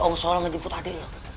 oh soalnya ngejemput ade lu